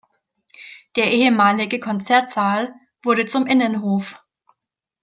Der ehemalige Konzertsaal wurde zum Innenhof.